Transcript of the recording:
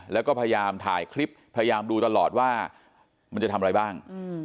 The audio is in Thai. แล้วก็พยายามถ่ายคลิปพยายามดูตลอดว่ามันจะทำอะไรบ้าง